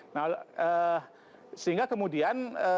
nah sehingga kemudian